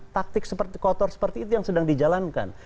taktik kotor seperti itu yang sedang dijalankan